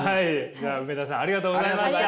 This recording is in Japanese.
じゃあ梅田さんありがとうございました。